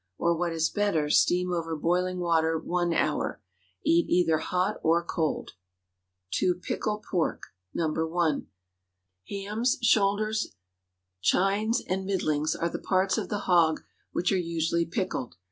Or, what is better, steam over boiling water one hour. Eat either hot or cold. TO PICKLE PORK. (NO. 1.) Hams, shoulders, chines, and "middlings," are the parts of the hog which are usually pickled.